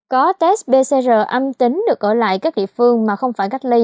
có test bcr âm tính được ở lại các địa phương mà không phải cách ly